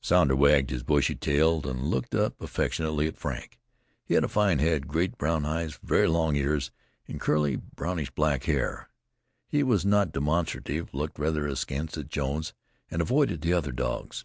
Sounder wagged his bushy tail and looked up affectionately at Frank. He had a fine head, great brown eyes, very long ears and curly brownish black hair. He was not demonstrative, looked rather askance at Jones, and avoided the other dogs.